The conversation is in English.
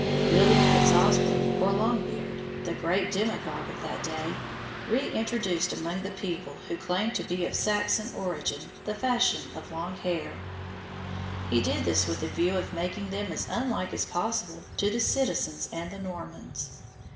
William Fitz osbert, or Long beard, the great demagogue of that day, reintroduced among the people who claimed to be of Saxon origin the fashion of long hair. He did this with the view of making them as unlike as possible to the citizens and the Normans.